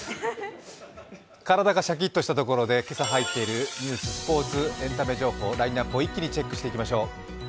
体がシャキッとしたところで今朝入っているニュース、スポーツエンタメ情報をラインナップを一気にチェックしていきましょう。